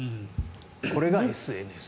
これがＳＮＳ。